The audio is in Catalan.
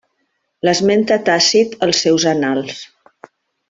L'esmenta Tàcit als seus Annals.